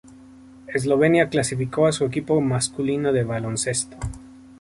Eslovenia clasificó a su equipo masculino de baloncesto.